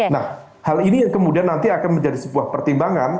nah hal ini yang kemudian nanti akan menjadi sebuah pertimbangan